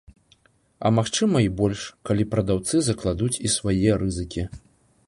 А магчыма і больш, калі прадаўцы закладуць і свае рызыкі.